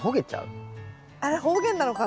あれ方言なのかな？